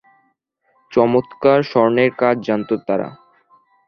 চমৎকার স্বর্ণের কাজ জানতো তারা।